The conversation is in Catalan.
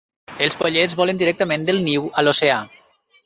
Els pollets volen directament del niu a l'oceà.